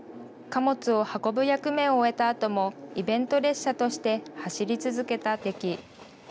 貨物を運ぶ役目を終えたあとも、イベント列車として、走り続けたデキ。